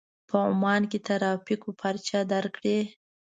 په عمان کې ترافيکو پارچه درکړې.